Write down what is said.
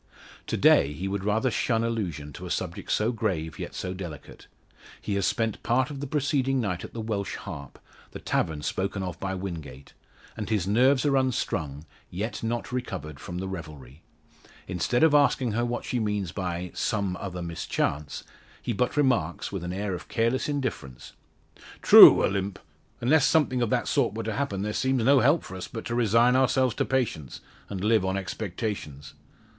To day he would rather shun allusion to a subject so grave, yet so delicate. He has spent part of the preceding night at the Welsh Harp the tavern spoken of by Wingate and his nerves are unstrung, yet not recovered from the revelry. Instead of asking her what she means by "some other mischance," he but remarks, with an air of careless indifference, "True, Olympe; unless something of that sort were to happen, there seems no help for us but to resign ourselves to patience, and live on expectations."